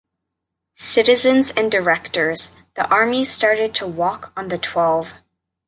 Citizens and Directors, the Army started to walk on the twelve.